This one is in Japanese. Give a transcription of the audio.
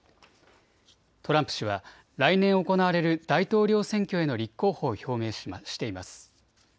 トランプ氏は来年行われる大統領選挙への立候補を表明しています。